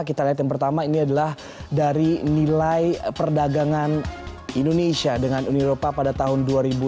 kita lihat yang pertama ini adalah dari nilai perdagangan indonesia dengan uni eropa pada tahun dua ribu dua puluh